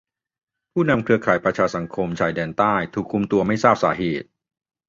ผู้นำเครือข่ายประชาสังคมชายแดนใต้ถูกคุมตัวไม่ทราบสาเหตุ